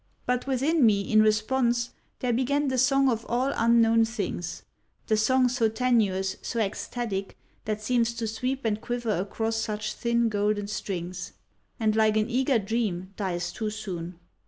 But within me, in response, there began the song of all unknown things; the song so tenuous, so ecstatic, that seems to sweep and quiver across such thin golden strings, and like an eager dream dies too soon.